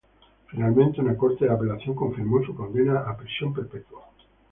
Finalmente, una corte de apelación confirmó su condena a prisión perpetua.